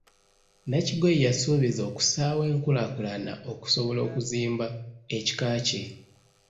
Nakigoye yasuubizza okussaawo enkulaakulana okusobola okuzimba ekika kye.